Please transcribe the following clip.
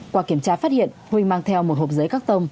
qua kiểm tra phát hiện huynh mang theo một hộp giấy các tông